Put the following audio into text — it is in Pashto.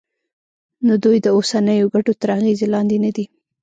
نو دوی د اوسنیو ګټو تر اغېز لاندې ندي.